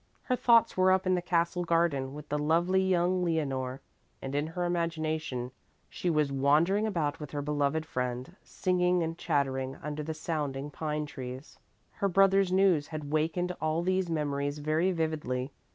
Her thoughts were up in the castle garden with the lovely young Leonore, and in her imagination she was wandering about with her beloved friend, singing and chattering under the sounding pine trees. Her brother's news had wakened all these memories very vividly.